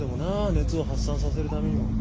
熱を発散させるためにも。